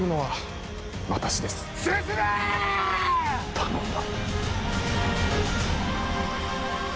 頼んだ。